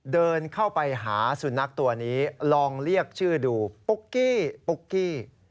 เดินเข้าไปหาสุนัขตัวนี้ลองเรียกชื่อดูปุ๊กกี้ปุ๊กกี้